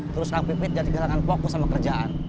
terus kak pipit jadi gerakan fokus sama kerjaan